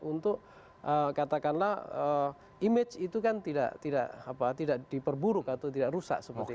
untuk katakanlah image itu kan tidak diperburuk atau tidak rusak seperti itu